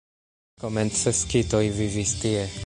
Komence skitoj vivis tie.